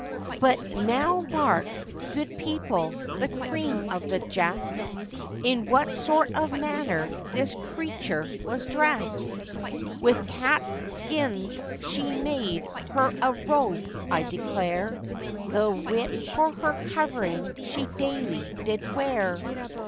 But now mark, good people, the cream of the jest, In what sort of manner this creature was dressed; With cat skins she made her a robe, I declare, The which for her covering she daily did wear.